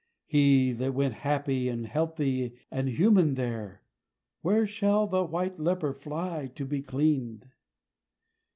He that went happy and healthy and human there Where shall the white leper fly to be cleaned?